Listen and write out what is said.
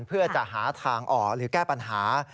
เพื่อจะหาทางออกหรือแก้ปัญหา